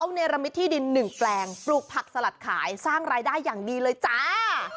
เนรมิตที่ดิน๑แปลงปลูกผักสลัดขายสร้างรายได้อย่างดีเลยจ้า